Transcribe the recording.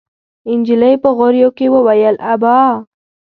نجلۍ په غريو کې وويل: ابا!